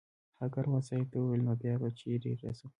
هغه کاروان صاحب ته وویل نو بیا به چېرې رسم